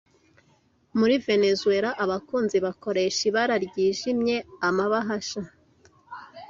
Muri Venezuwela abakunzi bakoresha ibara ryijimye Amabahasha